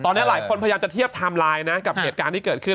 ตอนนี้หลายคนพยายามจะเทียบไทม์ไลน์นะกับเหตุการณ์ที่เกิดขึ้น